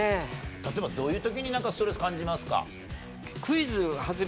例えばどういう時にストレス感じますか？